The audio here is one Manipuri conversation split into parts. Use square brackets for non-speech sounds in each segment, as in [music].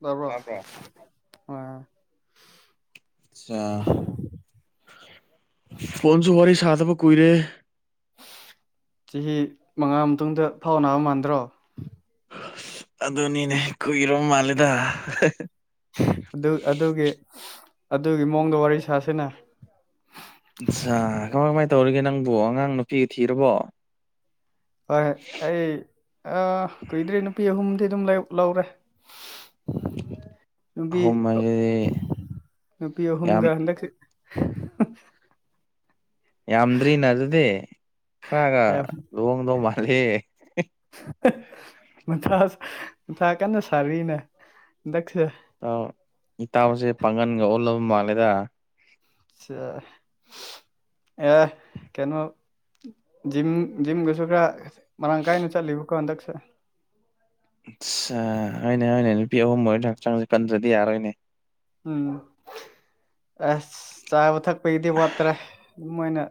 ꯇꯔꯕ꯭ꯔꯣ ꯇꯥꯕ꯭ꯔꯣ ꯑ ꯐꯣꯟꯁꯨ ꯋꯥꯔꯤ ꯁꯥꯗꯕ ꯀꯨꯏꯔꯦ ꯆꯍꯤ ꯃꯉꯥ ꯃꯇꯨꯡꯗ ꯐꯥꯎ ꯅꯥꯅꯕ ꯃꯥꯟꯗ꯭ꯔꯣ ꯑꯗꯨꯅꯤꯅꯦ ꯀꯨꯏꯔꯣ ꯃꯥꯜꯂꯦꯗ ꯑꯗꯨ ꯑꯗꯨꯒꯤ ꯑꯗꯨꯒꯤ ꯃꯑꯣꯡꯗ ꯋꯥꯔꯤ ꯁꯥꯁꯤꯅ ꯑꯆꯥ ꯀꯃꯥꯏ ꯀꯃꯥꯏꯅ ꯇꯧꯔꯤꯒꯦ ꯅꯪꯕꯨ ꯑꯉꯥꯡ ꯅꯨꯄꯤꯒꯤ ꯊꯤꯔꯕꯣ ꯍꯣꯏ ꯑꯩ ꯑ ꯀꯨꯏꯗ꯭ꯔꯦ ꯅꯨꯄꯤ ꯑꯍꯨꯝꯗꯤ ꯑꯗꯨꯝ ꯂꯧꯔꯦ ꯅꯨꯄꯤ ꯑꯍꯨꯝ ꯍꯥꯏꯁꯤꯗꯤ ꯅꯨꯄꯤ ꯌꯥꯝ ꯑꯍꯨꯝꯒ ꯍꯟꯗꯛ ꯌꯥꯝꯗ꯭ꯔꯤꯅ ꯑꯗꯨꯗꯤ ꯈꯔꯒ ꯌꯥꯝ ꯂꯨꯍꯣꯡꯗꯧ ꯃꯥꯂꯦ ꯃ ꯃꯊꯥ ꯀꯟꯅ ꯁꯥꯔꯤꯅꯦ ꯍꯟꯗꯛꯁꯤꯗ ꯏꯇꯥꯎꯁꯦ ꯄꯥꯡꯒꯟꯒ ꯑꯣꯜꯂꯕ ꯃꯥꯜꯂꯦꯗ ꯁ ꯑꯦ ꯀꯩꯅꯣ ꯖꯤꯝ ꯖꯤꯝ ꯨꯁꯨ ꯈ ꯃꯔꯥꯡ ꯀꯥꯏꯅ ꯆꯠꯂꯤꯕꯀꯣ ꯍꯟꯗꯛꯁꯦ ꯑꯠꯁꯥ ꯑꯅꯦ ꯑꯣꯏꯅ ꯅꯨꯄꯤ ꯑꯍꯨꯝ ꯍꯣꯏ ꯑꯣꯏꯅ ꯍꯛꯆꯥꯡꯁꯦ ꯄꯟꯗ꯭ꯔꯗꯤ ꯌꯥꯔꯣꯏꯅꯦ ꯎꯝ ꯑꯁ ꯆꯥꯕ ꯊꯛꯄꯒꯤꯗꯤ ꯋꯥꯠꯇ꯭ꯔꯦ ꯑꯗꯨꯝꯣꯏꯅ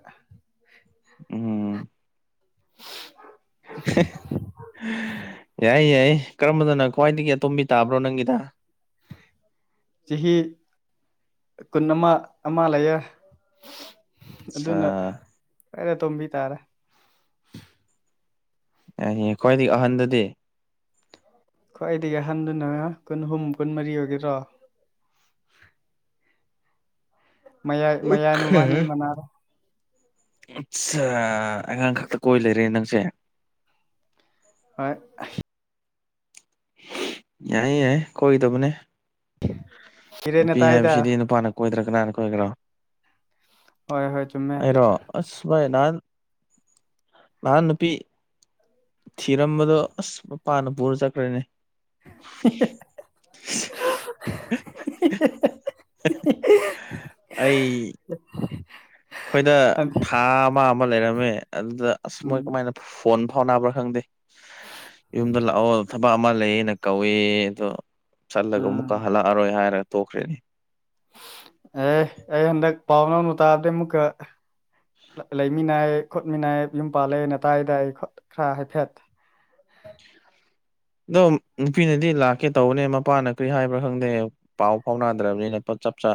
ꯎꯝ ꯌꯥꯏ ꯌꯥꯏ ꯀꯔꯝꯕꯗꯅ ꯈ꯭ꯋꯥꯏꯗꯒꯤ ꯑꯇꯣꯝꯕꯤ ꯇꯥꯕ꯭ꯔꯣ ꯅꯪꯒꯤꯗ ꯆꯍꯤ ꯀꯨꯟ ꯑꯃ ꯑꯃ ꯂꯩꯌꯦ ꯑꯠꯆꯥ ꯑꯗꯨꯅ ꯀꯔ ꯇꯣꯝꯕꯤ ꯇꯥꯔꯦ ꯑ ꯈ꯭ꯋꯥꯏꯗꯒꯤ ꯑꯍꯟꯗꯗꯤ ꯈ꯭ꯋꯥꯏꯗꯒꯤ ꯑꯍꯟꯗꯨꯅ ꯀꯨꯟꯍꯨꯝ ꯀꯨꯟ ꯃꯔꯤ ꯑꯣꯏꯒꯦꯔꯣ ꯃꯌꯥꯏ ꯃꯌꯥꯏ ꯑꯣꯈꯦ ꯃꯕꯥꯅꯤ ꯃꯅꯥꯔ ꯑꯆꯥ ꯑꯉꯥꯡ ꯈꯛꯇ ꯀꯣꯏ ꯂꯩꯔꯦ ꯅꯪꯁꯦ ꯍꯣꯏ ꯌꯥꯏ ꯌꯥ ꯀꯗꯕꯅꯦ ꯍꯤꯔꯦꯟꯅ ꯅꯨꯄꯤ ꯇꯥꯏꯗ ꯍꯥꯏꯕꯁꯤꯗꯤ ꯅꯨꯄꯥꯅ ꯀꯣꯏꯗ꯭ꯔ ꯀꯅꯥꯅ ꯀꯣꯏꯈ꯭ꯔꯣ ꯍꯣꯏ ꯍꯣꯏ ꯆꯨꯝꯃꯦ ꯑꯩꯔꯣ ꯑꯁ ꯃꯥꯏ ꯅꯍꯥꯟ ꯅꯍꯥꯟꯄꯤ ꯊꯤꯔꯝꯕꯗꯣ ꯑꯁ ꯃꯄꯥꯥꯟꯅ ꯄꯨꯔ ꯆꯠꯈ꯭ꯔꯅꯦ [inaudible] [inaudible] ꯑꯩꯈꯣꯏꯗ ꯎꯝ ꯊꯥ ꯑꯃ ꯑꯃ ꯂꯩꯔꯝꯃꯦ ꯑꯗꯨꯗ ꯑꯁ ꯃꯣꯏ ꯀꯃꯥꯏꯅ ꯐꯣꯟ ꯐꯥꯎꯅꯕ꯭ꯔꯥ ꯈꯪꯗꯦ ꯌꯨꯝꯗ ꯂꯥꯛꯑꯣ ꯑꯃ ꯂꯩꯌꯦꯅ ꯀꯧꯏ ꯑꯗꯣ ꯆꯠꯂꯒ ꯎꯝ ꯑꯃꯨꯛꯀ ꯍꯜꯂꯛꯑꯔꯣꯏ ꯍꯥꯏꯔꯒ ꯇꯣꯛꯈ꯭ꯔꯦꯅꯦ ꯑꯦ ꯑꯩ ꯍꯟꯗꯛ ꯄꯥꯥꯎꯅꯥ ꯃꯇꯥꯕꯗꯤ ꯑꯃꯨꯀ ꯂꯩꯃꯤꯟꯅꯏ ꯈꯣꯠꯃꯤꯟꯅꯏ ꯌꯨꯝ ꯄꯥꯜꯂꯦ ꯅꯥꯗꯥꯏ ꯗꯥꯏ ꯈꯔ ꯍꯥꯏꯐꯦꯠ ꯑꯗꯣ ꯅꯨꯄꯤꯅꯗꯤ ꯂꯥꯛꯀꯦ ꯇꯧꯕꯅꯦ ꯃꯄꯥꯅ ꯀꯔꯤ ꯍꯥꯏꯕ꯭ꯔꯥ ꯈꯪꯗꯦ ꯄꯥꯎ ꯐꯥꯎꯅꯗ꯭ꯔꯕꯅꯤꯅ ꯄꯣ ꯆꯞ ꯆꯥ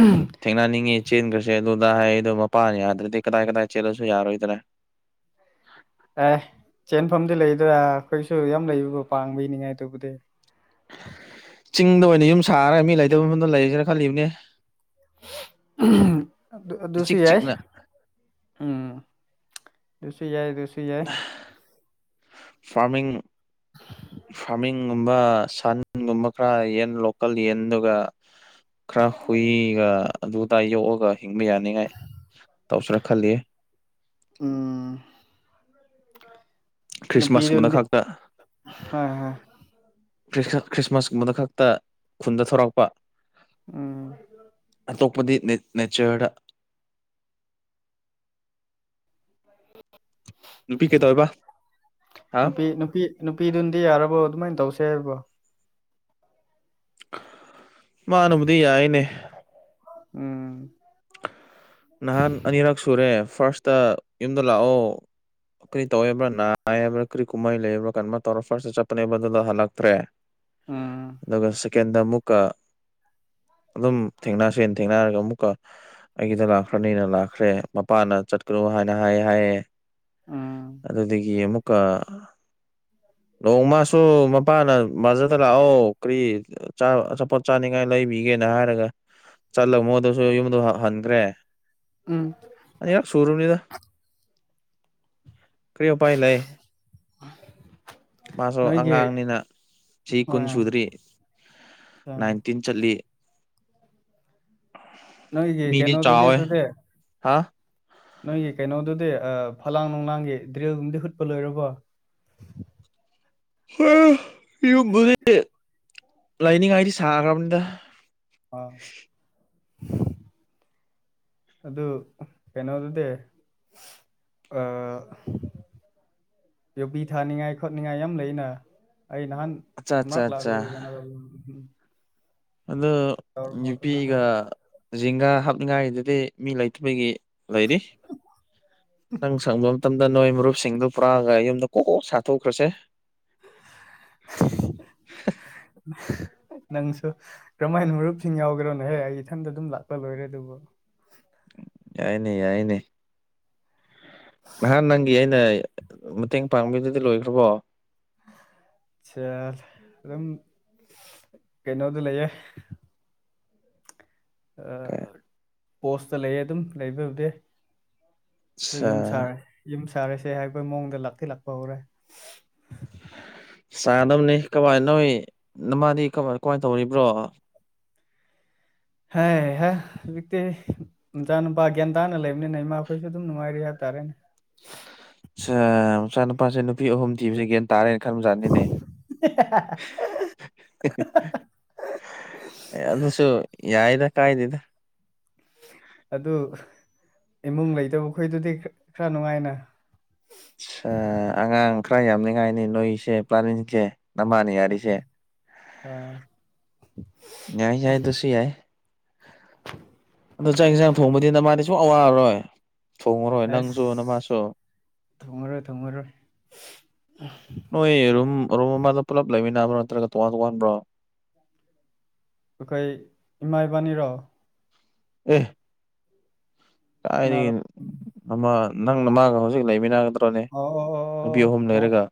ꯎꯝ ꯊꯦꯡꯅꯅꯤꯡꯉꯤ ꯆꯤꯟꯈ꯭ꯔꯁꯦ ꯑꯗꯨꯗ ꯍꯥꯏꯗꯣ ꯃꯄꯥꯟ ꯌꯥꯗ꯭ꯔꯗꯤ ꯀꯗꯥꯏ ꯀꯗꯥꯏ ꯆꯦꯜꯂꯁꯨ ꯌꯥꯔꯣꯏꯗ꯭ꯔꯥ ꯑꯦ ꯆꯦꯟꯐꯝꯗꯤ ꯂꯩꯗ ꯑꯩꯈꯣꯏꯁꯨ ꯌꯥꯝ ꯂꯩꯕꯕꯣ ꯄꯥꯡꯕ ꯏꯅꯤꯉꯥꯏ ꯑꯗꯨꯕꯨꯗꯤ ꯆꯤꯡꯗ ꯑꯣꯏꯅ ꯌꯨꯝ ꯁꯥꯔꯒ ꯃꯤ ꯂꯩꯇꯕ ꯃꯐꯝꯗ ꯂꯩꯁꯦꯅ ꯈꯜꯂꯤꯕꯅꯦ ꯏꯆꯤꯛ ꯨꯁꯔꯤ ꯍꯥꯏꯏ ꯆꯤꯛꯅ ꯎꯝ ꯁꯨ ꯌꯥꯏ ꯁꯨ ꯌꯥꯏ ꯐꯔꯃꯤ ꯐꯥꯃꯤ ꯒꯨꯝꯕ ꯁꯅꯟꯒꯨꯝꯕ ꯈꯔ ꯌꯦꯟ ꯂꯣꯀꯦꯜ ꯌꯦꯟ ꯑꯗꯨꯒ ꯈꯔ ꯍꯨꯏ ꯑꯩ ꯑꯗꯨꯗꯥꯏ ꯌꯣꯛꯑꯒ ꯍꯤꯡꯕ ꯌꯥꯅꯤꯉꯥꯏ ꯇꯧꯁꯤꯔ ꯈꯜꯂꯤ ꯎꯝ ꯈ꯭ꯔꯤꯁꯃꯥꯁꯀꯨꯝꯕꯗ ꯄꯤꯔꯗꯤ ꯈꯛꯇ ꯑ ꯍꯥ ꯈ꯭ꯔꯤꯁꯃꯥꯁꯀꯨꯝꯕꯗꯨ ꯈꯛꯇ ꯈꯨꯟꯗ ꯊꯧꯔꯛꯄ ꯎꯝ ꯑꯇꯣꯞꯄꯗꯤ ꯅꯦꯆꯔꯗ ꯅꯨꯄꯤ ꯀꯩꯗꯧꯔꯤꯕ ꯅꯨꯄꯤ ꯅꯨꯄꯤ ꯅꯨꯄꯤꯗꯨꯅꯗꯤ ꯌꯥꯔꯕꯣ ꯑꯗꯨꯃꯥꯏꯅ ꯇꯧꯁꯦ ꯍꯥꯏꯔꯕꯣ ꯃꯥꯅꯨꯕꯨꯗꯤ ꯌꯥꯏꯅꯦ ꯎꯝ ꯅꯍꯥꯟ ꯑꯅꯤꯔꯛ ꯁꯨꯔꯦ ꯐꯥꯔꯁꯇ ꯌꯨꯝꯗ ꯂꯥꯛꯑꯣ ꯀꯔꯤ ꯇꯧꯕ꯭ꯔꯥ ꯅꯥꯏꯕ꯭ꯔꯥ ꯀꯔꯤ ꯀꯨꯝꯍꯩ ꯂꯩꯕ꯭ꯔꯥ ꯀꯔꯝꯥꯏꯅ ꯇꯧꯔꯣ ꯐꯥꯁꯇ ꯆꯠꯄꯅꯦꯕ ꯑꯗꯨꯗ ꯍꯜꯂꯛꯇ꯭ꯔꯦ ꯎꯝ ꯑꯗꯨꯒ ꯇꯀꯦꯟꯗ ꯑꯃꯨꯛꯀ ꯑꯗꯨꯝ ꯊꯦꯡꯅꯁꯦ ꯊꯦꯡꯅꯔꯒ ꯑꯃꯨꯛꯀ ꯑꯩꯒꯤꯗ ꯂꯥꯛ ꯈꯔꯅꯤꯅ ꯂꯥꯛꯈ꯭ꯔꯦ ꯃꯄꯥꯅ ꯆꯠꯈ꯭ꯔꯨ ꯍꯥꯏꯅ ꯍꯥꯏꯌꯦ ꯍꯥꯏꯑꯦ ꯎꯝ ꯑꯗꯨꯗꯒꯤ ꯑꯃꯨꯛꯀ ꯅꯣꯡꯃꯁꯨ ꯃꯄꯥꯅ ꯃꯥꯖꯗ ꯂꯥꯛꯑꯣ ꯀꯔꯤ ꯑꯆꯥꯄꯣꯠ ꯆꯥꯅꯤꯡꯉꯥꯏ ꯂꯩꯕꯤꯒꯦꯅ ꯍꯥꯏꯔꯒ ꯆꯠꯂꯒ ꯃꯣꯏꯗꯁꯨ ꯌꯨꯝꯗ ꯍꯟꯈ꯭ꯔꯦ ꯎꯝ ꯑ ꯌꯥ ꯁꯣꯝ ꯂꯤꯗ ꯀꯔꯤꯣ ꯄꯥꯏ ꯂꯩꯑ ꯃꯥꯁꯨ ꯅꯣꯏꯒꯤ ꯑꯉꯥꯡꯅꯤꯅ ꯆꯍꯤ ꯀꯨꯟ ꯍꯣꯏ ꯁꯨꯗ꯭ꯔꯤ ꯅꯥꯏꯟꯇꯤꯟ ꯆꯠꯂꯤ ꯅꯣꯏꯒꯤ ꯃꯤꯗꯤ ꯀꯩꯅꯣꯗꯨꯗꯤ ꯆꯥꯎꯋꯦ ꯑꯗꯨꯗꯤ ꯍꯥꯥ ꯅꯣꯏꯒꯤ ꯀꯩꯅꯣꯗꯨꯗꯤ ꯐꯂꯥꯡ ꯅꯨꯡꯂꯥꯡꯒꯤ ꯗ꯭ꯔꯤꯜꯒꯨꯝꯗꯤ ꯍꯨꯠꯄ ꯂꯣꯏꯔꯕꯣ ꯍ ꯌꯨꯝꯕꯨꯗꯤ ꯂꯥꯏꯅꯤꯡꯉꯥꯏꯗꯤ ꯁꯥꯈ꯭ꯔꯕꯅꯤꯗ ꯑꯥ ꯑꯗꯨ ꯀꯩꯅꯣꯗꯨꯗꯤ ꯑ ꯌꯨꯕꯤ ꯊꯥꯅꯤꯡꯉꯥꯏ ꯈꯣꯠꯅꯤꯡꯉꯥꯏ ꯌꯥꯝ ꯂꯩꯅ ꯑꯩ ꯅꯍꯥꯟ ꯑꯠꯆꯥ ꯑꯠꯆꯥ ꯊꯛ ꯑꯠꯆꯥ ꯂꯥꯛꯂꯒꯦ ꯀꯅ ꯑ ꯑꯗꯨꯗꯣ ꯅꯨꯄꯤꯒ ꯖꯤꯡꯒꯥ ꯍꯥꯞꯅꯤꯡꯉꯥꯏꯗꯨꯗꯤ ꯃꯤ ꯂꯩꯇꯕꯒꯤ ꯂꯩꯔꯤ ꯅꯪ ꯁꯪꯕ ꯃꯇꯝꯗ ꯅꯣꯏ ꯃꯔꯨꯞꯁꯤꯡꯗꯨ ꯄꯨ꯭ꯔꯥꯒ ꯌꯨꯝꯗ ꯀꯣꯛ ꯀꯣꯛ ꯁꯥꯊꯣꯛꯈ꯭ꯔꯁꯦ ꯅꯪꯁꯨ ꯀꯔꯝꯍꯥꯏꯅ ꯃꯔꯨꯞꯁꯤꯡ ꯌꯥꯎꯈ꯭ꯔꯣꯅꯍꯦ ꯑꯩ ꯏꯊꯟꯇ ꯑꯗꯨꯝ ꯂꯥꯛꯄ ꯂꯣꯏꯔꯦ ꯑꯗꯨꯕꯨ ꯌꯥꯏꯅꯦ ꯌꯥꯏꯅꯦ ꯅꯍꯥꯟ ꯅꯪꯒꯤ ꯑꯩꯅ ꯃꯇꯦꯡ ꯄꯥꯡꯕꯗꯨꯗꯤ ꯂꯣꯏꯈ꯭ꯔꯕꯣ ꯆ ꯑꯗꯨꯝ ꯀꯩꯅꯣꯗ ꯂꯩꯌꯦ ꯄꯣꯁꯇ ꯂꯩꯌꯦ ꯑꯗꯨꯝ ꯂꯩꯕꯕꯨꯗꯤ ꯑꯗꯨ ꯑꯠꯆꯥ ꯌꯨꯝ ꯁꯥꯔꯦ ꯌꯨꯝ ꯁꯥꯔꯁꯦ ꯍꯥꯏꯈꯣꯏ ꯃꯑꯣꯡꯗ ꯂꯥꯛꯇꯤ ꯂꯥꯛꯄ ꯍꯧꯔꯦ ꯆꯥꯗꯕꯅꯤ ꯀꯃꯥꯏ ꯅꯣꯏ ꯅꯃꯥꯗꯤ ꯀꯃꯥꯏ ꯀꯃꯥꯏꯅ ꯇꯧꯔꯤꯕ꯭ꯔꯣ ꯍꯦ ꯍꯦ ꯍꯧꯖꯤꯛꯇꯤ ꯅꯨꯆꯥ ꯅꯨꯄꯥ ꯒ꯭ꯌꯥꯟ ꯇꯥꯅ ꯂꯩꯕꯅꯤꯅ ꯏꯃꯥꯈꯣꯏꯁꯨ ꯑꯗꯨꯝ ꯅꯨꯡꯉꯥꯏꯔꯤ ꯍꯥꯏꯕ ꯇꯥꯔꯦꯅꯦ ꯑ ꯃꯆꯥ ꯅꯨꯨꯄꯥꯁꯦ ꯅꯨꯄꯤ ꯑꯍꯨꯝ ꯊꯤꯕꯁꯦ ꯒꯅ ꯇꯥꯔꯦꯅ ꯈꯟꯕꯖꯥꯠꯅꯤꯅꯦ ꯑꯗꯨꯁꯨ ꯌꯥꯏꯗ ꯀꯥꯏꯗꯗ ꯑꯗꯨ ꯏꯃꯨꯡ ꯂꯩꯇꯕꯈꯣꯏꯗꯨꯗꯤ ꯈꯔ ꯅꯨꯡꯉꯥꯏꯅ ꯑ ꯑꯉꯥꯡ ꯈꯔ ꯌꯥꯝꯅꯤꯡꯉꯥꯏꯅꯤ ꯅꯣꯏꯁꯦ ꯄ꯭ꯂꯥꯅꯤꯡꯁꯦ ꯅꯃꯥꯅ ꯌꯥꯔꯤꯁꯦ ꯀꯣꯏꯦ ꯌꯥꯏ ꯌꯥꯏ ꯑꯗꯨꯁꯨ ꯌꯥꯏ ꯑꯗꯨ ꯆꯥꯛ ꯌꯦꯟꯁꯥꯡ ꯊꯣꯡꯕꯗꯤꯅ ꯃꯥꯅ ꯁ ꯑꯋꯥꯔꯔꯣꯏ ꯊꯣꯡꯉꯔꯣꯏ ꯑꯁ ꯅꯪꯁꯨ ꯅꯃꯁꯨ ꯊꯣꯡꯉꯔꯣꯏ ꯊꯣꯡꯉꯔꯣꯏ ꯅꯣꯏ ꯔꯨꯝ ꯔꯨꯝ ꯑꯃꯗ ꯄꯨꯂꯞ ꯂꯩꯃꯤꯟꯅꯕ꯭ꯔꯣ ꯅꯠꯇ꯭ꯔꯒ ꯇꯣꯉꯥꯟ ꯇꯣꯉꯥꯟꯕ꯭ꯔꯣ ꯑꯩꯈꯣꯏ ꯏꯃꯥ ꯏꯕꯥꯅꯤꯔꯣ ꯑꯦ ꯀꯅꯥꯔꯣ ꯀꯥꯏꯗꯒꯤꯑꯣ ꯑꯃꯥ ꯅꯪꯅ ꯃꯥꯒ ꯍꯧꯖꯤꯛ ꯂꯩꯃꯤꯟꯅꯒꯗ ꯅꯦ ꯑꯣ ꯑꯣ ꯑꯣ ꯅꯨꯄꯤ ꯑꯣ ꯑꯍꯨꯝ ꯇꯣꯡ ꯂꯩꯔꯒ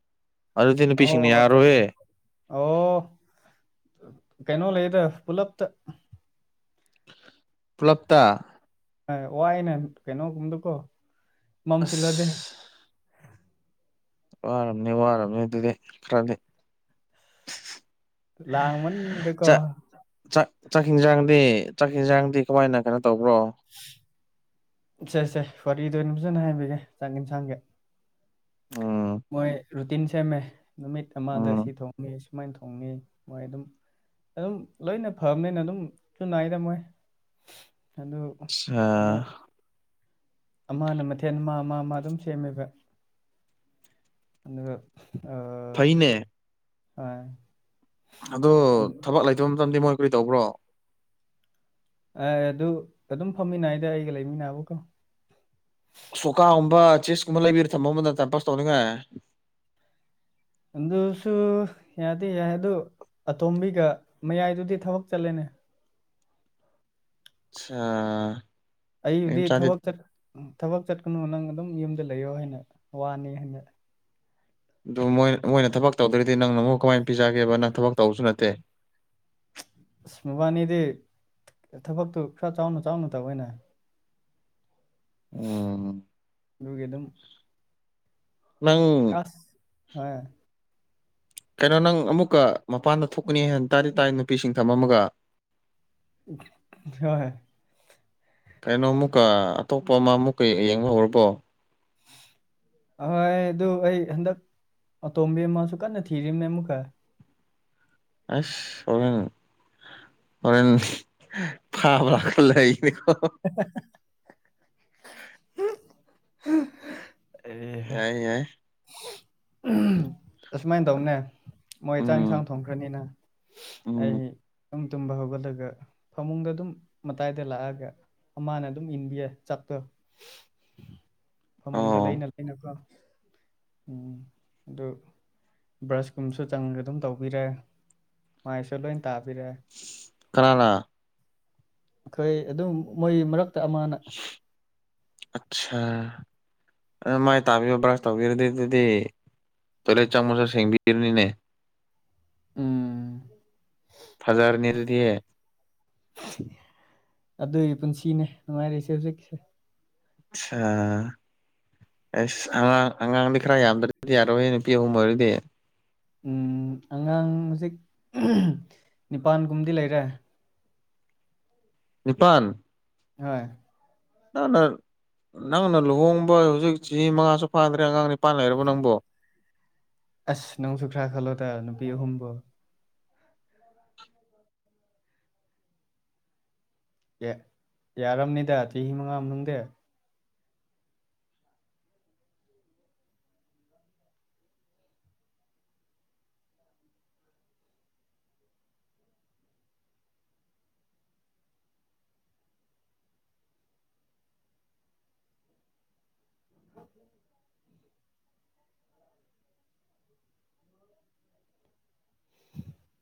ꯑꯗꯨꯗꯤ ꯑꯣ ꯅꯨꯄꯤꯁꯤꯡꯅ ꯑꯣ ꯑꯠꯆꯥ ꯑꯠꯆꯥ ꯌꯥꯔꯣꯏꯌꯦ ꯑꯣ ꯀꯩꯅꯣ ꯂꯩꯗ ꯄꯨꯂꯞꯇ ꯄꯨꯂꯞꯇ ꯋꯥꯏꯅꯦ ꯀꯩꯅꯣꯒꯨꯝꯗꯨꯀꯣ ꯃꯝꯁꯤꯜꯂꯗꯤ ꯑꯁ ꯋꯥꯔꯝꯅꯤ ꯋꯥꯔꯝꯅꯤ ꯑꯗꯨꯗꯤ ꯈꯔꯗꯤ ꯂꯥꯡꯃꯟꯕꯗꯀꯣ ꯥꯆꯥꯛ ꯆꯥꯛ ꯌꯦꯟꯁꯥꯡꯗꯤ ꯆꯥꯛ ꯌꯦꯟꯡꯁꯥꯡꯗꯤ ꯀꯃꯥꯏꯅ ꯀꯩꯅꯣ ꯇꯧꯕ꯭ꯔꯣ ꯁꯦ ꯁꯦ ꯋꯥꯔꯤꯗꯣ ꯑꯩꯅ ꯐꯖꯅꯥ ꯍꯥꯏꯕꯤꯒꯦ ꯆꯥꯡ ꯌꯦꯟꯁꯥꯡꯒꯤ ꯎꯝ ꯃꯣꯏ ꯔꯨꯇꯤꯟ ꯁꯦꯝꯃꯦ ꯅꯨꯃꯤꯠ ꯑꯃꯗ ꯎꯝ ꯁꯤ ꯊꯣꯡꯅꯤ ꯁꯨꯃꯥꯏꯅ ꯊꯣꯡꯅꯤ ꯃꯣꯏ ꯑꯗꯨꯝ ꯑꯗꯨꯝ ꯂꯣꯏꯅ ꯐꯕꯅꯦꯅ ꯑꯗꯨꯝꯁꯨꯨ ꯅꯥꯏꯗ ꯃꯣꯏ ꯑꯗꯨ ꯑꯥꯁꯥ ꯀꯩꯅꯣ [unintelligible] ꯑꯃꯅ ꯃꯊꯦꯜ ꯑꯃ ꯃꯥ ꯃꯥ ꯑꯗꯨꯝ ꯁꯦꯝꯃꯦꯕ ꯑꯗꯨꯒ ꯑꯥ ꯐꯩꯅꯦ ꯑꯥ ꯑꯗꯣ ꯊꯕꯛ ꯂꯩꯇꯕ ꯃꯇꯝꯗꯤ ꯃꯣꯏ ꯀꯔꯤ ꯇꯧꯕ꯭ꯔꯣ ꯑꯦ ꯑꯗꯨ ꯑꯗꯨꯝ ꯐꯝꯃꯤꯟꯅꯩꯗ ꯑꯩꯒ ꯂꯩꯃꯤꯟꯅꯕꯀꯣ ꯁꯣꯀꯥꯒꯨꯝꯕ ꯆꯦꯁ ꯀꯨꯝꯕ ꯂꯩꯕꯤꯔ ꯊꯝꯃꯣ ꯑꯃꯗꯣ ꯇꯥꯏꯝ ꯄꯥꯁ ꯇꯧꯅꯤꯡꯉꯥꯏ ꯑꯗꯨꯁꯨ ꯌꯥꯗꯤ ꯌꯥꯏ ꯑꯗꯨ ꯑꯇꯣꯝꯕꯤꯒ ꯃꯌꯥꯏꯗꯨꯗꯤ ꯊꯕꯛ ꯆꯠꯂꯦꯅꯦ ꯑꯁꯁꯥ ꯑꯩꯕꯨꯗꯤ ꯊꯕꯛ ꯊꯕꯛ ꯆꯠꯀꯅꯨ ꯅꯪ ꯑꯗꯨꯝ ꯌꯨꯝꯗ ꯂꯩꯌꯣ ꯍꯥꯏꯅ ꯋꯥꯅꯤ ꯍꯥꯏꯅ ꯑꯗꯨ ꯃꯣꯏ ꯃꯣꯏꯅ ꯊꯕꯛ ꯇꯧꯗꯔ꯭ ꯗꯤ ꯅꯪꯅ ꯑꯃꯨꯛ ꯀꯃꯥꯏꯅ ꯄꯤꯖꯒꯦꯕ ꯅꯪ ꯊꯕꯛ ꯇꯧꯕꯁꯨ ꯅꯠꯇꯦ ꯑꯁ ꯃꯕꯥꯅꯤꯗꯤ ꯊꯕꯛꯇꯨ ꯈꯔ ꯆꯥꯎꯅ ꯆꯥꯎꯅ ꯇꯧꯋꯦꯅ ꯎꯝ ꯑꯗꯨꯒꯤ ꯑꯗꯨꯝ ꯅꯪ ꯍꯣꯏ [unintelligible] ꯀꯩꯅꯣ ꯅꯪ ꯑꯃꯨꯛꯀ ꯃꯄꯥꯟꯗ ꯊꯣꯛꯀꯅꯤ ꯍꯥꯏꯅ ꯇꯥꯗꯤ ꯇꯥꯏ ꯅꯨꯄꯤꯁꯤꯡ ꯊꯃꯝꯃꯒ ꯍꯣꯏ ꯀꯩꯅꯣ ꯑꯃꯨꯛꯀ ꯑꯇꯣꯞꯄ ꯑꯃ ꯑꯃꯨꯛꯀ ꯌꯦꯡꯕ ꯍꯧꯔꯕꯣ ꯍꯣꯏ ꯑꯗꯨ ꯑꯩ ꯍꯟꯗꯛ ꯑꯇꯣꯝꯕꯤ ꯑꯃꯁꯨ ꯀꯟꯅ ꯊꯤꯔꯤꯕꯅꯦ ꯑꯃꯨꯛꯀ ꯑꯁ [inaudible] [unintelligible] ꯍꯣꯔꯦꯟ ꯐꯥꯕꯥ ꯂꯥꯛꯀꯅꯤꯀꯣ [inaudible] [unintelligible] [inaudible] ꯑꯍꯝ ꯌꯥꯏ ꯌꯥꯏ [unintelligible] [inaudible] ꯑꯁꯨꯃꯥꯏꯅ ꯇꯧꯅꯦ ꯃꯣꯏ ꯆꯥꯛ ꯎꯝ ꯏꯟꯁꯥꯡ ꯊꯣꯡꯈ꯭ꯔꯅꯤꯅ ꯑꯩ ꯎꯝ ꯑꯗꯨꯝ ꯇꯨꯝꯕ ꯍꯧꯒꯠꯂꯒ ꯐꯃꯨꯡꯗ ꯑꯗꯨꯝ ꯃꯇꯥꯏꯗ ꯂꯥꯛꯑꯒ ꯑꯃꯅ ꯑꯗꯨꯝ ꯏꯟꯕꯤꯌꯦ ꯆꯥꯛꯇꯣ ꯐꯃꯨꯡꯗ ꯑꯣ ꯂꯩꯅ ꯂꯩꯅ ꯀꯣ ꯎꯝ ꯑꯗꯨ ꯕ꯭ꯔꯁꯀꯨꯝꯕꯁꯨ ꯆꯪꯉꯒ ꯑꯗꯨꯝ ꯇꯧꯕꯤꯔꯦ ꯃꯥꯏꯁꯨ ꯂꯣꯏ ꯇꯥꯕꯤꯔꯦ ꯀꯅꯥꯅꯥ ꯑꯩꯈꯣꯏ ꯑꯗꯨꯝ ꯃꯣꯏ ꯃꯔꯛꯇ ꯑꯃꯅ ꯑꯁꯁꯥ ꯑꯗꯨꯃꯥꯏ ꯇꯥꯕꯤꯕ ꯕ꯭ꯔꯁ ꯇꯧꯕꯤꯔꯗꯤ ꯑꯗꯨꯗꯤ ꯇꯣꯏꯂꯦꯠ ꯆꯪꯕꯁꯨ ꯁꯦꯡꯕꯤꯔꯅꯤꯅꯦ ꯎꯝ ꯐꯖꯔꯅꯤ ꯑꯗꯨꯗꯤ ꯑꯗꯨꯒꯤ ꯄꯨꯟꯁꯤꯅꯦ ꯅꯨꯡꯉꯥꯏꯔꯤꯁꯦ ꯍꯧꯖꯤꯛꯁꯦ ꯑꯁꯁꯥ ꯑꯁ ꯑꯉꯥꯡ ꯑꯉꯥꯡꯗꯤ ꯈꯔ ꯌꯥꯝꯗ꯭ꯔꯗꯤ ꯌꯥꯔꯣꯏꯍꯦ ꯅꯨꯄꯤ ꯑꯍꯨꯝ ꯑꯣꯏꯔꯗꯤ ꯑꯉꯥꯡ ꯍꯧꯖꯤꯛ ꯅꯤꯄꯥꯟꯒꯨꯝꯕꯗꯤ ꯂꯩꯔꯦ ꯅꯤꯄꯥꯟ ꯍꯣꯏ [inaudible] ꯅꯪꯅ ꯅꯪꯅ ꯂꯨꯍꯣꯡꯕ ꯍꯧꯖꯤꯛ ꯆꯍꯤ ꯃꯉꯥꯁꯨ ꯐꯥꯗ꯭ꯔꯤ ꯑꯉꯥꯡ ꯅꯤꯄꯥꯟ ꯂꯩꯔꯕ ꯅꯪꯕꯣ ꯑꯁ ꯅꯪꯁꯨ ꯈꯔ ꯈꯜꯂꯣꯗ ꯅꯨꯄꯤ ꯑꯍꯨꯝꯕꯣ ꯌꯥꯔꯝꯅꯤꯗ ꯆꯍꯤ ꯃꯉꯥ ꯃꯅꯨꯡꯗꯤ [unintelligible] [unintelligible] [inaudible]